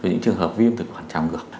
rồi những trường hợp viêm thực quản chẳng ngược